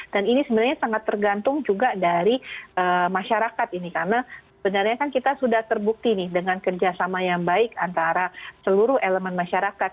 dan ini sebenarnya sangat tergantung juga dari masyarakat ini karena sebenarnya kan kita sudah terbukti nih dengan kerjasama yang baik antara seluruh elemen masyarakat